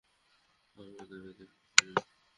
আমরা তাকে দেখতে পারি।